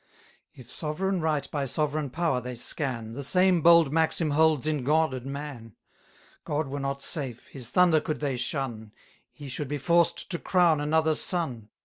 If sovereign right by sovereign power they scan, The same bold maxim holds in God and man: God were not safe, his thunder could they shun, He should be forced to crown another son.